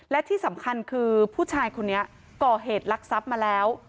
และที่สำคัญคือผู้ชายคนนี้ก่อเหตุลักษัพมาแล้ว